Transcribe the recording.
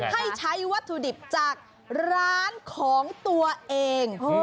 ให้ใช้วัตถุดิบจากร้านของตัวเอง